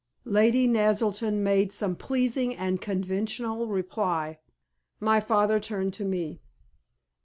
Lady Naselton made some pleasing and conventional reply. My father turned to me.